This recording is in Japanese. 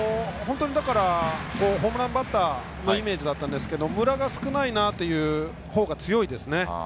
ホームランバッターというイメージだったんですがムラが少ないなというほうが強いですね。